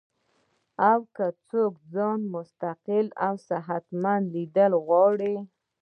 او کۀ څوک ځان مستقل صحتمند ليدل غواړي